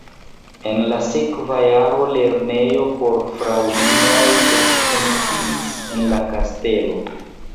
En la sekva jaro lernejo por fraŭlinoj ekfunkciis en la kastelo.